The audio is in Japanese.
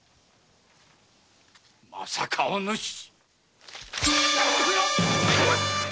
まさかおぬし！？